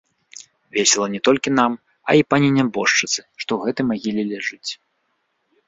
Весела не толькі нам, а і пані нябожчыцы, што ў гэтай магіле ляжыць.